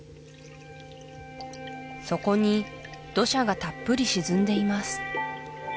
底に土砂がたっぷり沈んでいます